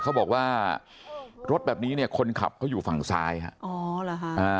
เขาบอกว่ารถแบบนี้เนี่ยคนขับเขาอยู่ฝั่งซ้ายฮะอ๋อเหรอฮะอ่า